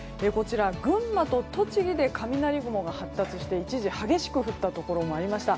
群馬と栃木で雷雲が発達して一時、激しく降ったところもありました。